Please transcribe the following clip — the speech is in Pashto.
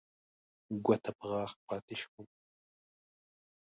ګوته په غاښ پاتې شوم.